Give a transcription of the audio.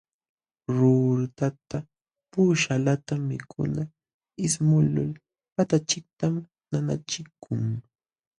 Ruurtata puquśhqallatam mikuna ismuqlul patanchiktam nanachikun.